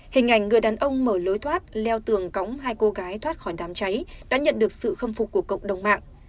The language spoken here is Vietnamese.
hình ảnh người đàn ông mở lối thoát leo tường cóng hai cô gái thoát khỏi đám cháy đã nhận được sự khâm phục của cộng đồng mạng